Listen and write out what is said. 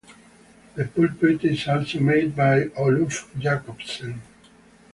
The pulpit is also made by Oluf Jacobsen.